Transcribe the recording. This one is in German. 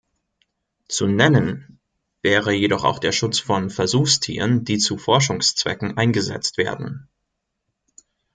Zu nennen wäre jedoch auch der Schutz von Versuchstieren, die zu Forschungszwecken eingesetzt werden.